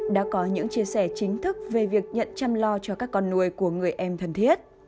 đã có những chia sẻ chính thức về việc nhận chăm lo cho các con nuôi của người em thân thiết